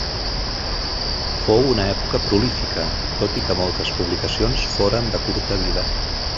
Fou una època prolífica, tot i que moltes publicacions foren de curta vida.